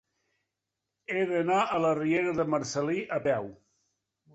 He d'anar a la riera de Marcel·lí a peu.